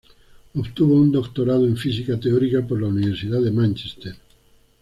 Obtuvo un doctorado en física teórica por la Universidad de Mánchester.